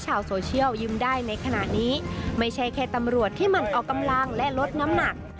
ชาวโซเชียลยืมได้ในขณะนี้ไม่ใช่แค่ตำรวจที่มันออกกำลังและลดน้ำหนัก